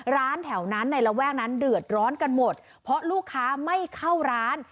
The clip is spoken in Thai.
ร้านแถวนั้นในระแวกนั้นเดือดร้อนกันหมดเพราะลูกค้าไม่เข้าร้าน